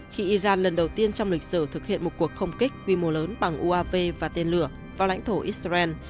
khi iran lần đầu tiên trong lịch sử thực hiện một cuộc không kích quy mô lớn bằng uav và tên lửa vào lãnh thổ israel